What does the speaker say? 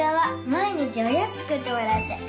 毎日おやつ作ってもらえて。